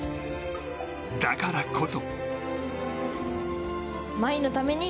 だからこそ。